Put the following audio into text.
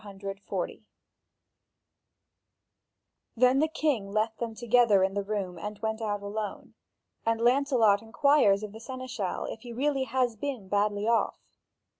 4031 4124.) Then the king left them together in the room, and went out alone. And Lancelot inquires of the seneschal if he has been badly off.